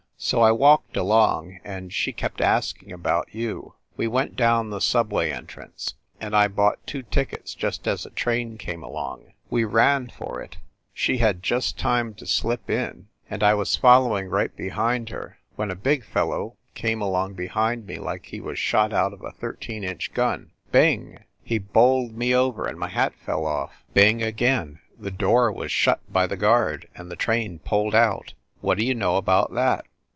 So I walked along, and she kept asking about you. We went down the subway entrance, and I bought two tickets just as a train came along. We ran for it; she had just time to A HARLEM LODGING HOUSE 303 slip in, and I was following right behind her, when a big fellow came along behind me like he was shot out of a thirteen inch gun. Bing! He bowled me over and my hat fell off. Bing again, the door was shut by the guard, and the train pulled out. What d you know about that?